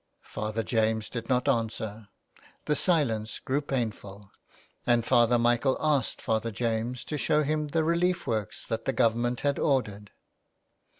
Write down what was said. Father James did not answer ; the silence grew painful, and Father Michael asked Father James to show him the relief works that the Government had ordered.